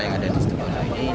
yang ada di setengah setengah ini